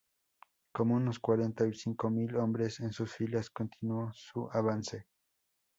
Con unos cuarenta o cincuenta mil hombres en sus filas, continuó su avance.